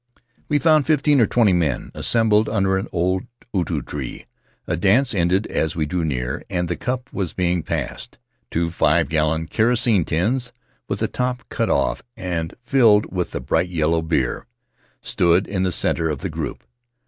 We found fifteen or twenty men assembled under an old utu tree; a dance ended as we drew near, and the cup was being passed. Two five gallon kerosene tins, with the tops cut off and filled with the bright yellow beer, stood in the center of the group.